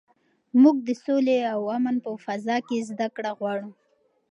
موږ د سولې او امن په فضا کې زده کړه غواړو.